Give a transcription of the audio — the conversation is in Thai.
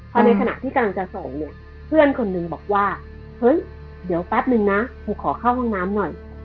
พอในขณะที่กำลังจะส่งเนี่ยเพื่อนคนหนึ่งบอกว่าเฮ้ยเดี๋ยวแป๊บนึงนะกูขอเข้าห้องน้ำหน่อย